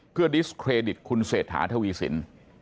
เพื่อดิสเครดิตคุณเศรษฐาทวีสิน